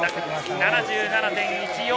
７７．１４。